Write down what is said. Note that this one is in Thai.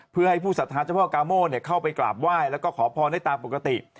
เพื่อให้ผู้สัทธาเจ้าพ่อกาโม่เข้าไปกราบไหว้แล้วก็ขอพรได้ตามปกติ